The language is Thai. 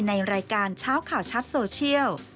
ในรายการเช้าข่าวชัดโซเชียล